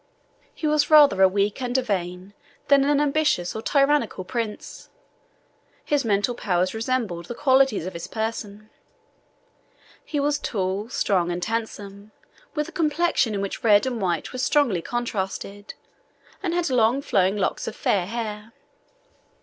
He was rather a weak and a vain than an ambitious or tyrannical prince. His mental powers resembled the qualities of his person. He was tall, strong, and handsome, with a complexion in which red and white were strongly contrasted, and had long flowing locks of fair hair.